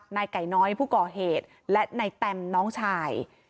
ไก่น้อยผู้ก่อเหตุและนายแตมน้องชาย